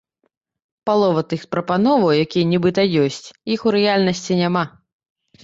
Палова тых прапановаў, якія нібыта ёсць, іх у рэальнасці няма.